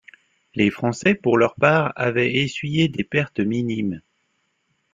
Les Français, pour leur part, avaient essuyé des pertes minimes.